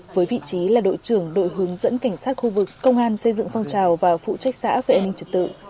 với vị trí là đội trưởng đội hướng dẫn cảnh sát khu vực công an xây dựng phong trào và phụ trách xã về an ninh trật tự